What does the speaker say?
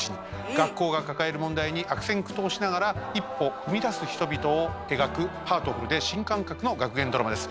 学校が抱える問題に悪戦苦闘しながら一歩踏み出す人々を描くハートフルで新感覚の学園ドラマです。